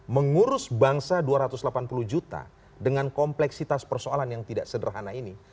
mengurus bangsa dua ratus delapan puluh juta dengan kompleksitas persoalan yang tidak sederhana ini